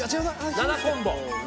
７コンボ。